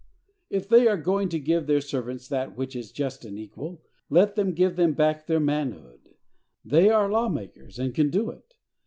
If they are going to give their servants that which is just and equal, let them give them back their manhood; they are law makers, and can do it.